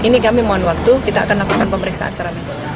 ini kami mohon waktu kita akan lakukan pemeriksaan secara mental